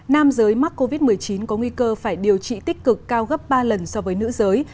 nam giới mắc covid một mươi chín có nguy cơ phải điều trị tích cực cao gấp ba lần so với nữ giới